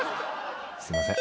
すいません。